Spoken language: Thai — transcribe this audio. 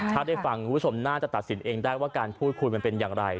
ถ้าได้ฟังคุณผู้ชมน่าจะตัดสินเองได้ว่าการพูดคุยมันเป็นอย่างไร